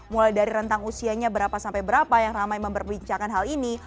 mulai dari rentang usianya berapa sampai berapa yang ramai memperbincangkan hal ini